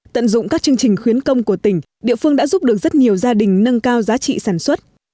tận dụng các chương trình khuyến công của tỉnh địa phương đã giúp được rất nhiều gia đình nâng cao giá trị sản xuất